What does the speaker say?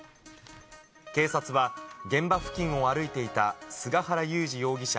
警察は、現場付近を歩いていた菅原勇二容疑者